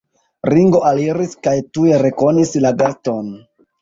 Ringo aliris kaj tuj rekonis la gaston.